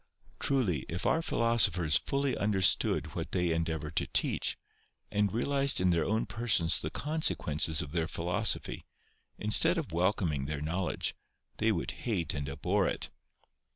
Truly, if our philosophers fully understood what they endeavour to teach, and realised in their own persons the consequences of their philosophy, instead of welcoming their knowledge, they would hate and abhor it.